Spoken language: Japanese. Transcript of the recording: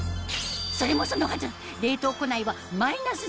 それもそのはず